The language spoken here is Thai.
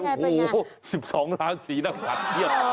โอ้โหสิบสองล้านซีนางสัตย์เหี้ย